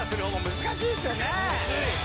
難しいですよね！